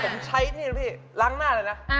ผมใช้นี่นะพี่ล้างหน้าเลยนะ